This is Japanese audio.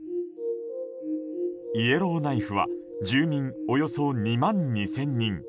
イエローナイフは住民およそ２万２０００人。